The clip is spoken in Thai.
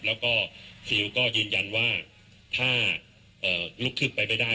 แล้วก็ก็ยืนยันว่าถ้าเอ่อลุกทืบไปไม่ได้